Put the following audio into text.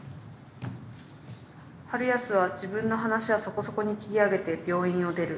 「春康は自分の話はそこそこに切り上げて病院を出る。